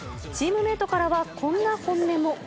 チームメートからはこんな本音も。